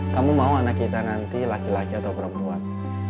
kamu mau anak kita nanti laki laki atau perempuan